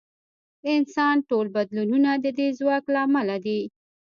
د انسان ټول بدلونونه د دې ځواک له امله دي.